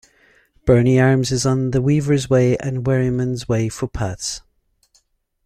Berney Arms is on the Weavers' Way and Wherryman's Way footpaths.